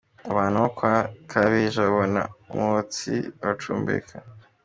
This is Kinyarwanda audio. Abantu bo kwa Kabeja babona umwotsi uracumbeka.